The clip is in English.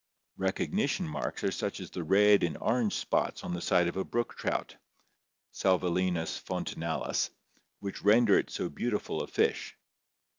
Recognition marks are such as the red and orange spots on the side of a brook trout (Salvelinus fontinalis) which render it so beautiful a fish.